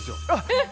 えっ！